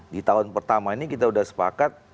di tahun pertama ini kita sudah sepakat